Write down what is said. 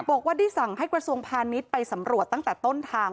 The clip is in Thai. บอกว่าได้สั่งให้กระทรวงพาณิชย์ไปสำรวจตั้งแต่ต้นทาง